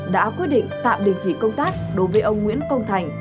đã quyết định tạm đình chỉ công tác đối với ông nguyễn công thành